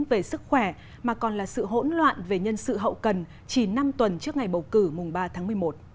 về sức khỏe mà còn là sự hỗn loạn về nhân sự hậu cần chỉ năm tuần trước ngày bầu cử mùng ba tháng một mươi một